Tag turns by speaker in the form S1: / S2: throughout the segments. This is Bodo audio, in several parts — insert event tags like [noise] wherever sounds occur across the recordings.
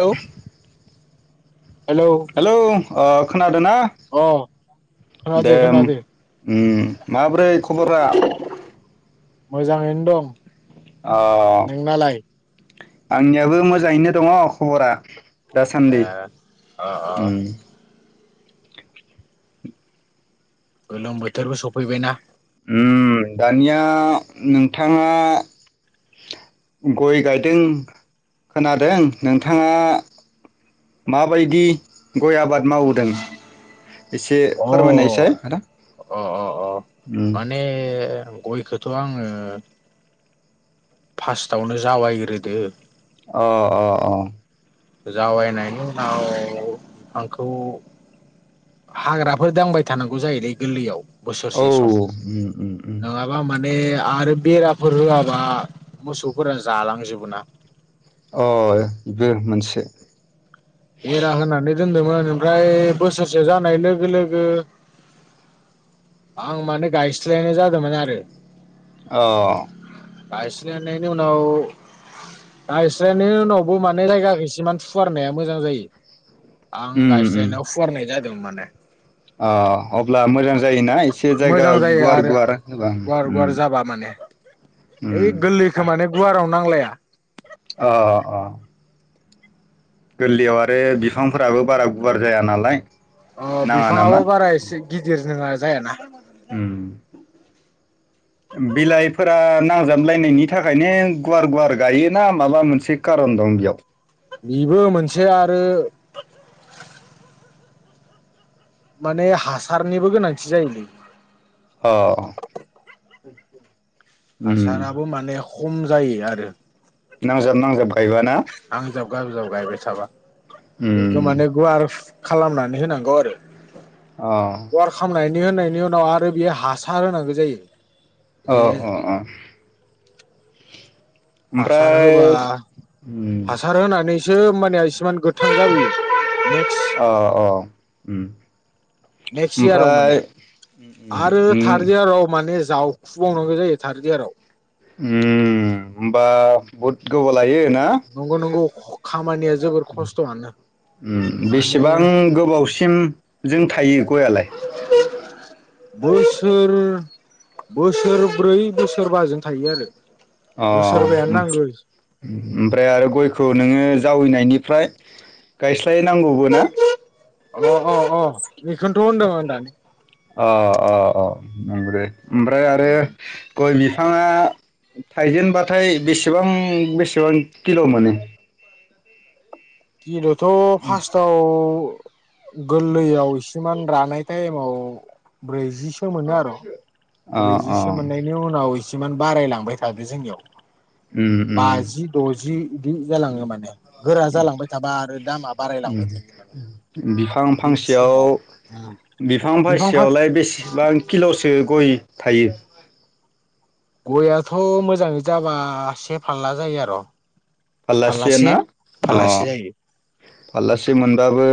S1: Hello
S2: hello. ओ खोना दोंना?
S1: अ
S2: दे
S1: खोनादो
S2: ओम
S1: खोनादो
S2: ओम माब्रै खबर फोरा?
S1: मोजाङैनो दं।
S2: अ।
S1: नोंनालाय
S2: आंनियाबो मोजाङैनो दङ' खबरा। दासान्दि ओम।
S1: गोलोम बोथोरबो सफैबायना।
S2: ओम दानिया नोंथाङा गय गायदों खोनादों। नोंथाङा माबायदि गय आबाद मावदों? एसे
S1: अ
S2: फोरमायनायसाय आदा।
S1: अ
S2: ओम।
S1: गयखोथ' आङो फार्स्टआवनो जावायग्रोदो।
S2: अ अ अ।
S1: जावायनायनि उनाव आंखौ हाग्राफोर दांबाय थानांगौ जायोलै गोललैयाव।
S2: औ ओम ओम ओम।
S1: [unintelligible] बे आरो बेराफोर होआबा मोसौफोरा जालांजोबो ना।
S2: अ बेब मोनसे।
S1: बेरा होनानै दोनदोमोन ओमफ्राय बोसोरसे जानाय लोगो लोगो आं माने गायस्लायनाय जादोमोन आरो
S2: अ।
S1: गायस्लायनायनि उनाव गायस्लायनायनि उनावबो माने जायगाखैइसो मान फुवारनाया मोजां जायो। आं
S2: उम उम
S1: गायस्लायनाव फुवारनाय जादोंमोन। माने
S2: अ अब्ला मोजां जायोना एसे जायगा
S1: मोजां जायो
S2: गुवार
S1: आरो
S2: गुवार होबा
S1: गुवार गुवार
S2: ओम
S1: जाबा माने
S2: ओम।
S1: ओइ गोरलैखौ माने गुवाराव नांलाया।
S2: अ अ गोरलैयाव आरो बिफांफोराबो बारा गुवार जाया नालाय।
S1: अ'
S2: नाङा नामा
S1: बिफाङाबो बारा एसे गिदिर जोंहा जायाना
S2: ओम ओम बिलाइफोरा नांजाबलायनायनि थाखायनो गुवार गुवार गायोना माबा मोनसे खारन दं बेयाव
S1: बेबो मोनसे आरो माने हासारनिबो गोनांथि जायोलै
S2: औ
S1: हासाराबो माने खम' जायो आरो
S2: नांजाब नांजाब गायबा ना
S1: नांजाब गायबाय थाबा बेथ'
S2: उम
S1: माने गुवारफ खालामनानै होनांगौ आरो
S2: अ
S1: गुवार खालामनायनि नि होनायनि उनाव आरो बेयो हासार होनांगो जायो।
S2: अ
S1: जे
S2: अ अ
S1: हासार
S2: ओमफ्राय
S1: होबा
S2: उम
S1: हासार होनानैसो माने इसेमान गोथां जाबोयो नेक्स्ट
S2: ओम
S1: नेक्स्ट इयाराव माने आरो
S2: उम
S1: थार्ड इयाराव माने जावखुबावनांगौ जायो थार्द इयाराव
S2: ओम होमबा बहुद गोबाव लायो ना
S1: नंगौ नंगौ खामानिया जोबोर खस्थ'आनो
S2: ओम
S1: माने
S2: बेसेबां गोबावसिम जों थायो गययालाय।
S1: बोसोर बोसोरब्रै बोसोरबाजों थायो आरो। बोसोरबायानो नांगौ
S2: ओम ओमफ्राय आरो गयखौ नोङो जावैनायनिफ्राय गायस्लायनांगौबो ना
S1: अ अ अ बेखौनथ होन्दों आं दानि
S2: अ अ अ नंगौदे ओमफ्राय आरो गय बि बिफाङआ थाइजेनबाथाय बेसेबां बेसेबां किल' मोनो?
S1: [inaudible] थ' फार्स्टआव गोरलैयाव इसिमान रानाय थाइमआव ब्रैजिसो मोनो आरो
S2: अ अ
S1: ब्रैजिसो मोननायनि उनाव जिमान बारायलांबाय थादो जोंनियाव।
S2: उम उम
S1: बाजि दजि बिदि जालाङो माने गोरा जालांबाय। आरो दामा बारायलांबाय थायो माने
S2: बिफां
S1: गिबि समाव
S2: फांसेयावलाय बिफां फांसेयावलाय बेसेबां किल'सो गय थायो।
S1: गययाथ मोजाङै जाबा से फारला जायो आर'।
S2: फाल्लासे ना अ
S1: जायो
S2: फाल्लासे मोनबाबो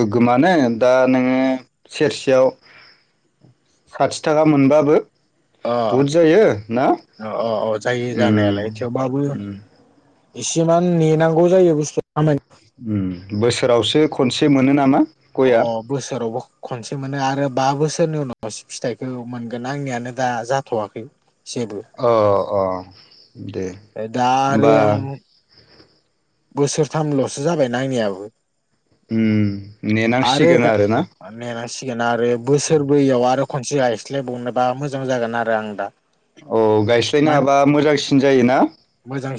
S2: गोग्गोमानो। दा नोङो सेरसेयाव साथि थाखा मोनबाबो।
S1: अ
S2: बुहुद जायो ना
S1: अ अ जायो
S2: उम
S1: जानायालाय थेवबाबो।
S2: उम
S1: इसिमान नेनांगौ जायो बुस्थु। खामानि
S2: ओम बोसोरावसो खनसे मोन। मोनो नामा?
S1: अ
S2: गया
S1: बोसोराव अ। खनसे मोनो आरो बा बोसोरनि उनाव फिथाइखौ मोनगोन आंनियानो दा जाथ'वाखै।
S2: अ अ। दे
S1: ए दा आरो
S2: होमबा
S1: आं। बोसोरथामल'सो जाबाय आंनियाबो।
S2: उम
S1: आरो
S2: नेनांसिगोन
S1: गा
S2: आरोना
S1: नेेनांसिगोन आरो बोसोर ब्रैयाव आरो। खनसे गायस्लायबावनोबा मोजां जागोन आरो आं दा।
S2: औ गायस्लायनो
S1: मान
S2: हाबा मोजांसिन जायोना?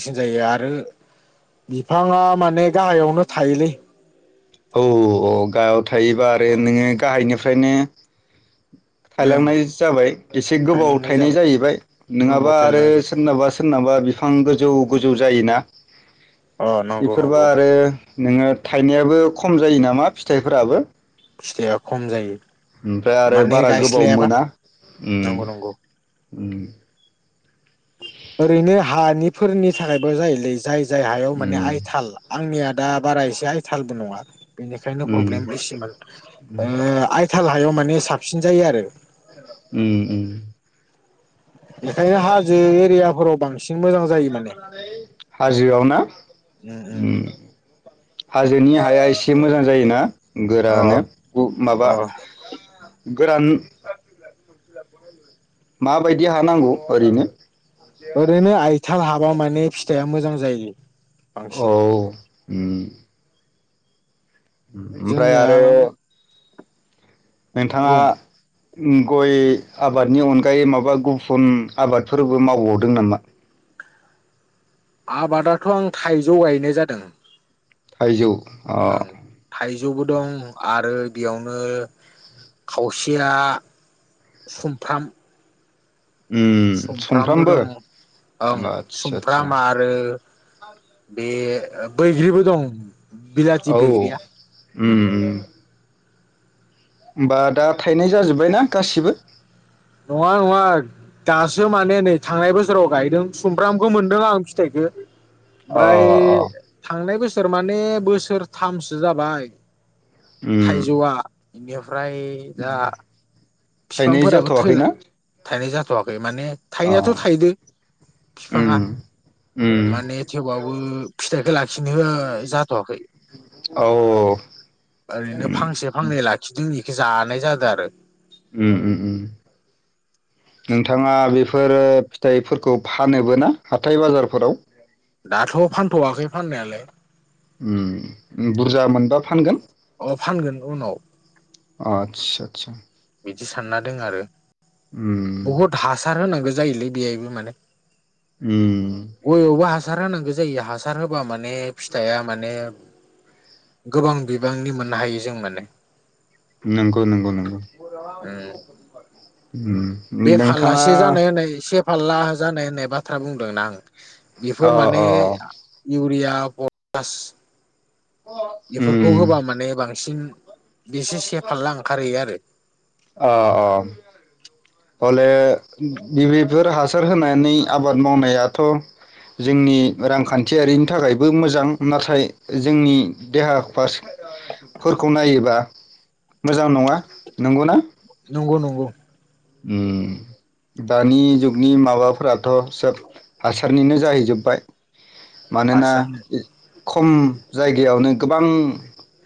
S1: सिन जायो आरो। बिफाङा माने गाहायावनो थायोलै।
S2: औ औ अ गाहायाव थायोबा आरो नोङो गाहायनिफ्रायनो।
S1: ओं
S2: थायलांनाय जाबाय एसे गोबाव
S1: थायलांनाय
S2: थायनाय
S1: जाबाय
S2: जायैबाय
S1: गोबाव
S2: नङाबा आरो
S1: थायलांनाय जायो
S2: सोरनाबा सोरनाबा बिफां गोजौ गोजौ जायोना।
S1: अ नंगौ
S2: बेफोरबा
S1: नंगौ
S2: आरो नोङो। थायनायाबो। खम जायो नामा फिथाइफोराबो।
S1: फिथाइया खम जायो
S2: ओमफ्राय आरो
S1: माने
S2: बारा गोबाव
S1: गायस्लायाबा
S2: मोना उम
S1: नंगौ नंगौ।
S2: उम।
S1: ओरैनो हानि‌ फोरनि थाखायबो जायोलै जाय। जाय हायाव माने
S2: उम
S1: हाइथाल आंनिया। दा बाराय एसे आइथालबो नङा। बेनिखायनो प्रब्लेम एसेमोन
S2: उम
S1: ओ आइथाल हायाव। माने साबसिन जायो आरो
S2: उम उम
S1: बेखायनो हाजो एरियाफोराव बांसिन मोजां जायो माने
S2: हाजोआव ना उम हाजोनि हाया एसे मोजां जायोना
S1: अ
S2: गोरानो उ माबा
S1: अ
S2: गोरान माबायदि हा नांगौ ओरैनो
S1: ओरैनो आय थाब हाबा माने फिथाइआ मोजां जायो।
S2: औ
S1: बांसिन।
S2: उम ओमफ्राय
S1: जोंनिया
S2: आरो नोंथाङा?
S1: बुं
S2: गय आबादनि अनगायै माबा गुफुन आबादफोरबो मावबावदों नामा?
S1: आबादाथ' आं थाइजौ गायनाय जादों।
S2: थाइजौ अ
S1: ओं थाइ जौबो दं आरो बेयावनो खावसेया सुमफ्राम। सुमफ्रामबो दं ओं
S2: आदसा आदसा
S1: सुमफ्राम आरो बे ओ बैग्रिबो दं। बिलाथि
S2: औ औ
S1: बैग्रिया
S2: उम उम होनबा दा थाइनाय जाजोब्बाय ना गासिबो?
S1: नङा नङा दासो माने नै थांनाय बोसोराव गायदों सुमफ्रामबो मोनदों आं फिथाइखौ
S2: अ
S1: ब्राइ
S2: अ
S1: सोर माने बोसोरथामसो जाबाय।
S2: उम
S1: थाइजौवा [inaudible] फ्राय दा
S2: थाइनाय
S1: बिफांफोराबो थैला
S2: जाथ'वाखैना?
S1: थायनाय जाथ'वाखै माने
S2: अ
S1: थायनायाथ' थायदों
S2: उम
S1: फिफाङा
S2: उम
S1: माने थेवबाबबो फिथाइखौ लाखिनो ओ जाथ'वाखै
S2: औ
S1: ओरैनो
S2: उम
S1: फांसे फांनै लाखिदों जानाय जादों आरो
S2: उम उग उम नोंथाङा बेफोरो फिथाइफोरखौ फानोबो ना हाथाय बाजारफोराव?
S1: दाथ' फानथ'वाखै फाननायालाय।
S2: उम बुरजा मोनबा फानगोन।
S1: अ फानगोन उनाव।
S2: आतसा सा सा।
S1: दि सानना दं आरो
S2: उम
S1: बहुत हासार होनांगौ जायोलै बेबो माने।
S2: उम
S1: गयावबो हासार होनांगौ जायो हासार होबा माने फिथाइया माने गोबां बिबांनि मोननो हायो जों माने।
S2: नंगौ नंगौ नंगौ
S1: उम
S2: [unintelligible]
S1: बे
S2: नोंथाङा
S1: फारलासे जानाय होननाय से फालला जानाय होननाय बा था बुंदोंना आं।
S2: अ
S1: बिफोर माने
S2: अ
S1: इउरिया ब बास बेफोरखौ
S2: उम
S1: होबा माने बांसिन बेसे सेफारला ओंखारहैयो आरो
S2: अ अ हले बेबेफोर हासार होनानै आबाद मावनायाथ' जोंनि रांखान्थियारिनि थाखायबो मोजां नाथाय जोंनि देहा फारसफोरखौ नायोबा मोजां नङा नंगौ ना?
S1: नंगौ नंगौ
S2: उम दानि जुगनि माबाफोराथ' सोब हासारनिनो जाहैजोब्बाय मानो ना
S1: हासार
S2: बिद खम जायगायावनो गोबां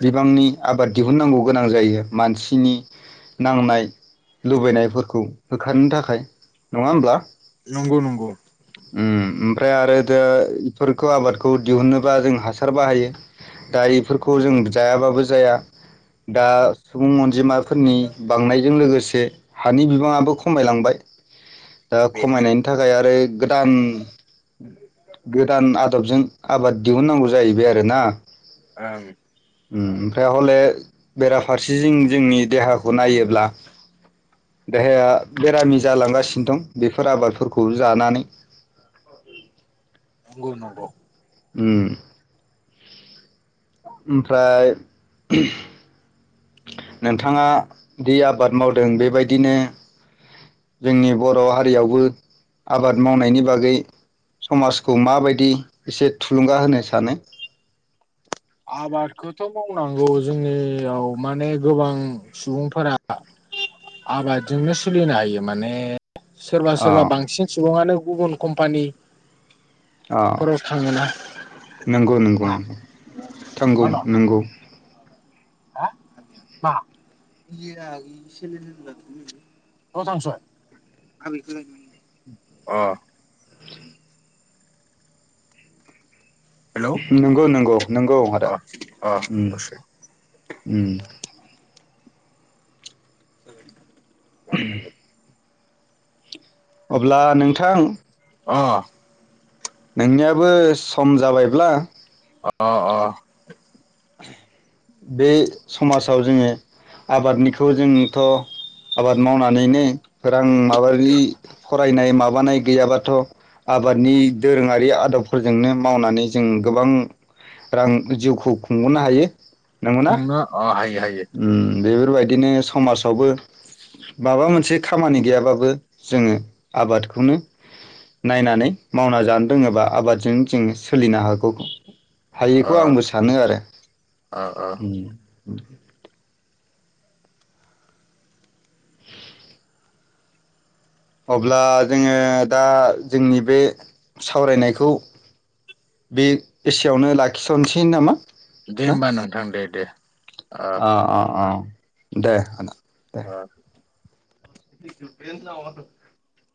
S2: बिबांनि आबाद दिहुननांगौ गोनां जायो मानसिनि नांनाय लुबैनायफोर खौ होखारनो थाखाय नङा होमब्ला।
S1: नंगौ नंगौ
S2: उम ओमफ्राय आरो दा इफोरखौ आबादखौ दिहुनोबा जों हासार बाहायो दा बएफोरखौ जों जायाबाबो जाया दा सुबुं अनजिमाफोरनि बांनायजों लोगोसे हानि बिबाङाबो खमायलांबाय दा
S1: बेनो
S2: खमायनायनि थाखाय आरो गोदान गोदान आदबजों आबाद दिहुननांगौ जाहैबाय आरोना
S1: ओं
S2: उम ओमफ्राय हले बेराफारसेथिं जोंनि देहाखौ नायोब्ला देहाया बेरामि जालांगासिनो दं बेफोर आबादफोरखौ जानानै
S1: नंगौ नगौ
S2: उम ओमफ्राय नोंथाङा दि आबाद मावदों बेबायदिनो जोंनि बर' हारियावबो आबाद मावनायनि बागै समाजखौ माबायदि एसे थुलुंगा होनो सानो
S1: आबादखौथ' मावनांगौ जोंनियाव माने गोबां सुबुंफोरा आबादजोंनो सोलिनो हायो माने सोरबा
S2: अ
S1: सोरबा बांसिन सुबुंङानो गुबुन कम्पानि
S2: अ नोंगौ नोंगौ
S1: मा
S2: नोंगौ थांगौ नंगौ
S1: हो मा [unintelligible] नआव थांसै आबैखौ [unintelligible] अ हेलौ
S2: नंगौ नंगौ नंगौ आदा
S1: अ अ
S2: उम
S1: दसे
S2: उम
S1: [inaudible] [unintelligible]
S2: अब्ला नोंथां
S1: अ ।
S2: नोंनियाबो सम जाबायब्ला
S1: अ अ।
S2: बे समाजाव जोंङो आबादनिखौ जोंथ' आबाद मावनानैनो रां माबारि फरायनाय माबानाय गैयाबाथ' आबादनि दोरोङारि आदबफोरजोंनो मावनानै जों गोबां रां जिउखौ सोंहरनो हायो। नंगौना
S1: खुंनो अ हायो हायो।
S2: उम बेफोरबायदिनो समाजावबो माबा मोनसे खामानि गैयाबाबो जोंङो आबादखौनो नायनानै मावना जानो रोङोबा आबादजों जोंङो सोलिनो हागौ
S1: अ
S2: हायोखौ आंबो सानो आरो ।
S1: अ अ ।
S2: [inaudible] अब्ला जोंङो दा जोंनि बे सावरायनायखौ बे एसेवनो लाखिथ'नोसै नामा?
S1: दे
S2: ना
S1: होमबा नोंथां दे दे।
S2: अ अ अ दे ।
S1: अ।
S2: [unintelligible]